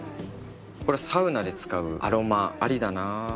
これサウナで使うアロマありだな。